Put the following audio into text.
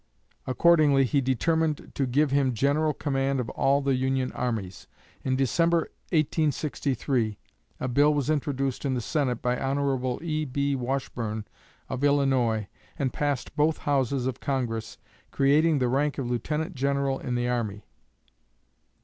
Accordingly he determined to give him general command of all the Union armies. In December, 1863, a bill was introduced in the Senate by Hon. E.B. Washburne, of Illinois, and passed both houses of Congress, creating the rank of Lieutenant General in the army.